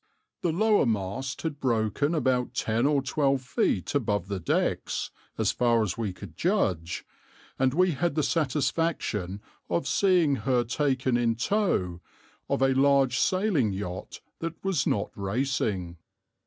The lower mast had broken about ten or twelve feet above the decks, as far as we could judge, and we had the satisfaction of seeing her taken in tow of a large sailing yacht that was not racing.